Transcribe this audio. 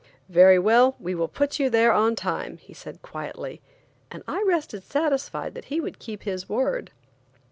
"Very well, we will put you there on time," he said quietly, and I rested satisfied that he would keep his word.